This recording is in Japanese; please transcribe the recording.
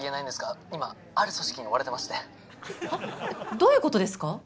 どういうことですか？